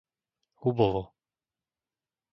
Hubovo